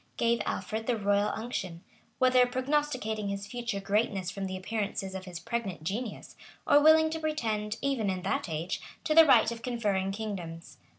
gave Alfred the royal unction;[*] whether prognosticating his future greatness from the appearances of his pregnant genius, or willing to pretend, even in that age, to the right of conferring kingdoms.